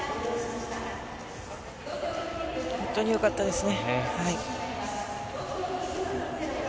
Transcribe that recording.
本当によかったですね。